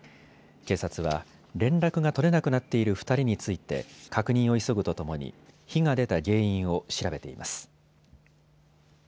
警察は連絡が取れなくなっている２人について確認を急ぐとともに火が出た原因を調べています。